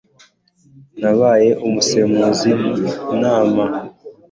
nabaye umusemuzi mu nama